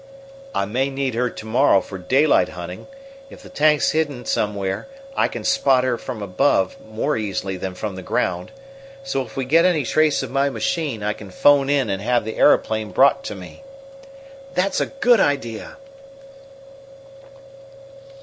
"I may need her to morrow for daylight hunting. If the tank's hidden somewhere, I can spot her from above more easily than from the ground. So if we get any trace of my machine, I can phone in and have the aeroplane brought to me." "That's a good idea!"